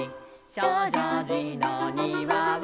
「しょうじょうじのにわは」